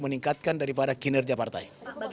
meningkatkan daripada kinerja partai